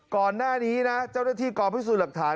ก่อนหน้านี้นะเจ้าหน้าที่กองพิสูจน์หลักฐาน